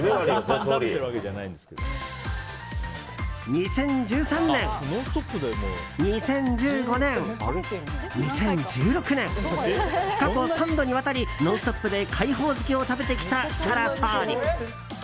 ２０１３年２０１５年、２０１６年過去３度にわたり「ノンストップ！」で海宝漬を食べてきた設楽総理。